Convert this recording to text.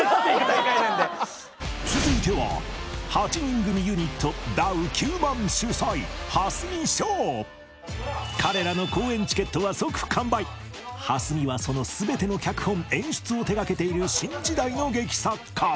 続いては８人組ユニット彼らの蓮見はその全ての脚本・演出を手掛けている新時代の劇作家！